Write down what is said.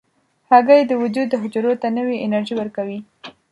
هګۍ د وجود حجرو ته نوې انرژي ورکوي.